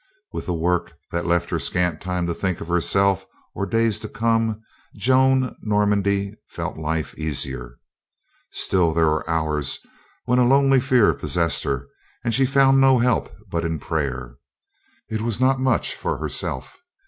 With a work that left her scant time to think of herself or days to come, Joan Normandy felt life easier. Still there were hours when a lonely fear possessed her, and she found no help but in prayer. It was not much for herself.